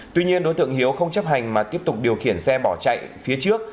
tuy nhiên đối tượng hiếu không chấp hành mà tiếp tục điều khiển xe bỏ chạy phía trước